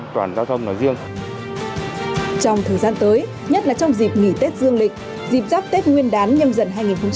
trong thời gian tới nhất là trong dịp nghỉ tết dương lịch dịp giáp tết nguyên đán nhâm dần hai nghìn hai mươi bốn